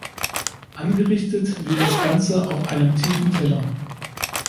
Angerichtet wird das Ganze auf einem tiefen Teller.